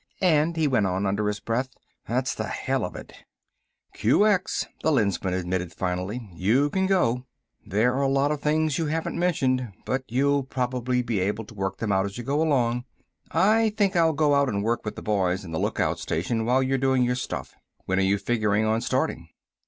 And," he went on, under his breath, "that's the hell of it." "QX," the Lensman admitted finally, "you can go. There are a lot of things you haven't mentioned, but you'll probably be able to work them out as you go along. I think I'll go out and work with the boys in the lookout station while you're doing your stuff. When are you figuring on starting?"